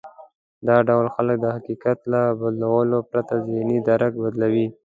دا ډول خلک د حقيقت له بدلولو پرته ذهني درک بدلوي.